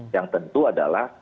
yang tentu adalah